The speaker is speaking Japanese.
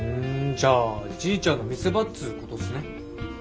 じゃあじいちゃんの見せ場っつうことっすね。